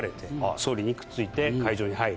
総理にくっついて会場に入る